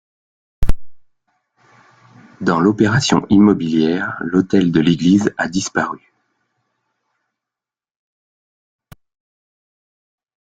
Dans l'opération immobilière, l'autel de l'église a disparu.